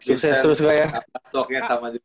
sukses terus kak ya